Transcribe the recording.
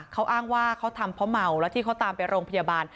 เขาอ้างว่าเขาทำเพราะเมาแล้วที่เขาตามไปโรงพยาบาล